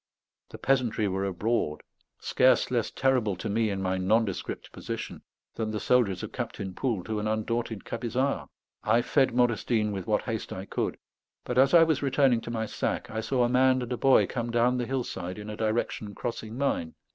The peasantry were abroad; scarce less terrible to me in my nondescript position than the soldiers of Captain Poul to an undaunted Camisard. I fed Modestine with what haste I could; but as I was returning to my sack, I saw a man and a boy come down the hillside in a direction crossing mine.